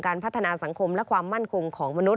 พัฒนาสังคมและความมั่นคงของมนุษ